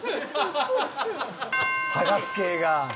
剥がす系が。